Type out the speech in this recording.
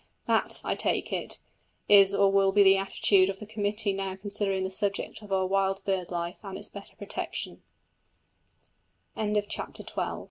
That, I take it, is or will be the attitude of the committee now considering the subject of our wild bird life and its better protec